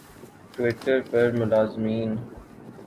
Twitter پر ملازمین